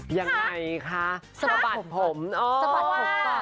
ยังไงคะสะบัดผมสะบัดผมค่ะ